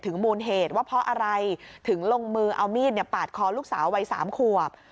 มูลเหตุว่าเพราะอะไรถึงลงมือเอามีดปาดคอลูกสาววัย๓ขวบ